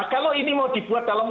kalau ini mau dibuat dalam